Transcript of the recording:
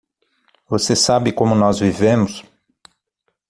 Você sabe como nós vivemos?